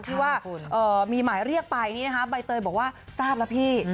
ที่ว่ามีหมายเรียกไปใบเตยบอกว่าทราบละพี่